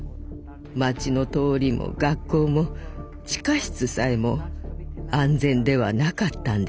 街の通りも学校も地下室さえも安全ではなかったんです。